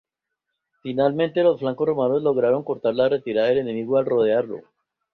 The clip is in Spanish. Finalmente, los flancos romanos lograron cortar la retirada del enemigo al rodearlo.